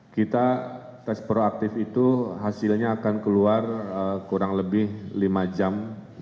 kita tes proaktif itu hasilnya akan keluar kurang lebih lima jam